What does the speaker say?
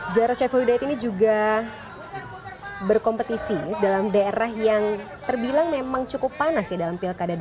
jarod saiful hidayat ini juga berkompetisi dalam daerah yang terbilang memang cukup panas ya dalam pilkada dua ribu dua